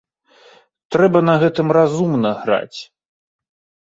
Трэба на гэтым разумна граць.